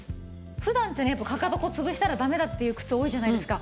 普段ってかかとつぶしたらダメだっていう靴多いじゃないですか。